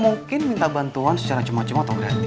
mungkin minta bantuan secara cuma cuma atau ganti